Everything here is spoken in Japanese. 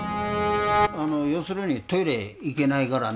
要するにトイレ行けないからね。